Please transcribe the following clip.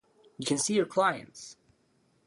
You can see your clients.